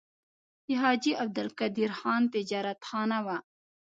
د حاجي عبدالقدیر خان تجارتخانه وه.